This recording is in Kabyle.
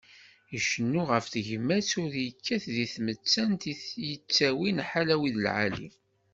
Icennu γef tegmat u yekkat di tmettan i yettawin ḥala wid lεali.